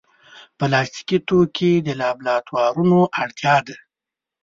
پلاستيکي توکي د لابراتوارونو اړتیا ده.